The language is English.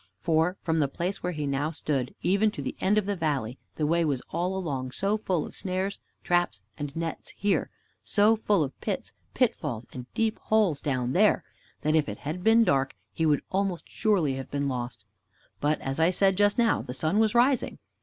For, from the place where he now stood, even to the end of the valley, the way was all along so full of snares, traps, and nets here, so full of pits, pitfalls, and deep holes down there, that if it had been dark, he would almost surely have been lost, but as I said just now, the sun was rising.